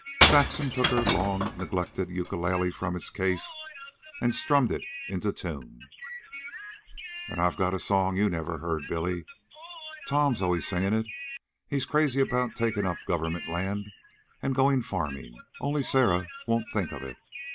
Saxon took her long neglected ukulele from its case and strummed it into tune. "And I've a song you never heard, Billy. Tom's always singing it. He's crazy about taking up government land and going farming, only Sarah won't think of it.